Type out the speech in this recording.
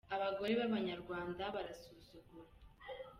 Abagore babanyarwanda barasuzugura.